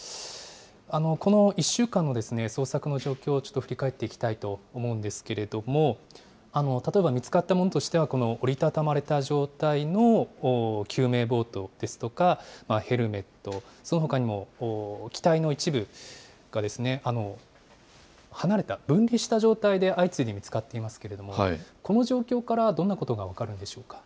この１週間の捜索の状況をちょっと振り返っていきたいと思うんですけれども、例えば見つかったものとしては、折り畳まれた状態の救命ボートですとか、ヘルメット、そのほかにも機体の一部が離れた、分離した状態で相次いで見つかっていますけれども、この状況からどんなことが分かるんでしょうか。